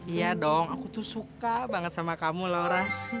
iya dong aku tuh suka banget sama kamu laura